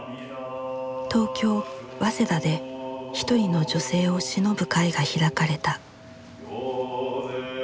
東京・早稲田で一人の女性をしのぶ会が開かれた。